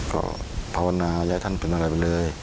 ก็ภาวนาอย่าให้ท่านเป็นอะไรไปเลย